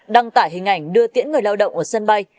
đăng tải hình ảnh đưa tiễn người lao động ở sân bay